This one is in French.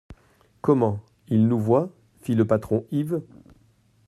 Comment ! ils nous voient ? fit le patron Yves.